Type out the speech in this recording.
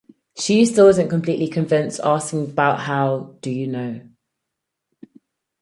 She still isn't completely convinced, asking, But how do you know?